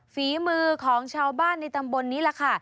ฝีมือของชาวบ้านในตำบลนี้แหละค่ะ